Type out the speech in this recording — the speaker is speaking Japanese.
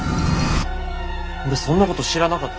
俺そんなこと知らなかった。